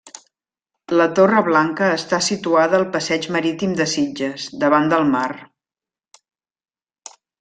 La Torre Blanca està situada al passeig Marítim de Sitges, davant del mar.